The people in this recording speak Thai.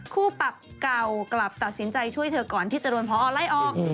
ปรับเก่ากลับตัดสินใจช่วยเธอก่อนที่จะโดนพอไล่ออก